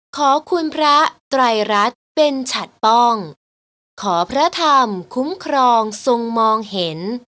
ขอคุณพระไตรรัฐเป็นฉัดป้องและขอพระธรรมคุ้มครองทรงมองเห็น